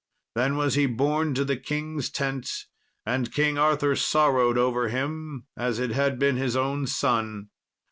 Then was he borne to the king's tent, and King Arthur sorrowed over him as it had been his own son.